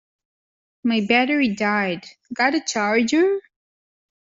My battery died, got a charger?